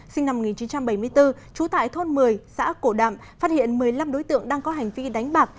sinh năm một nghìn chín trăm bảy mươi bốn trú tại thôn một mươi xã cổ đạm phát hiện một mươi năm đối tượng đang có hành vi đánh bạc